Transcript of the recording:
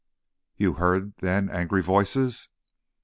"You heard, then, angry voices?"